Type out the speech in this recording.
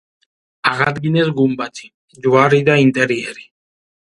აღადგინეს გუმბათი, ჯვარი და ინტერიერი.